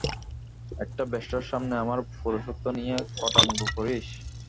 একটা বেশ্যার সামনে আমার পৌরুষত্ব নিয়ে কটাক্ষ করিস!